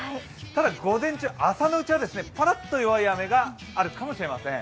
ただ、午前中、朝のうちはぱらっと弱い雨があるかもしれません。